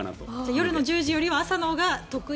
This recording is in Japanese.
夜の１０時よりは朝のほうが得意？